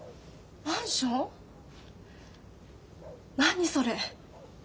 何それ。